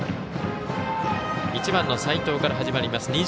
１番の齋藤から始まります。